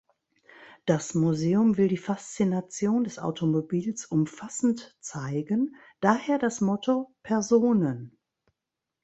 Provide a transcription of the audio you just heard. Das Museum will die Faszination des Automobils umfassend zeigen, daher das Motto "Personen.